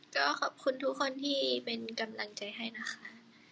ก็ขอบคุณทุกคนที่เป็นกำลังใจให้นะคะ